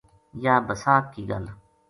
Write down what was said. یاہ بَساکھ کی گل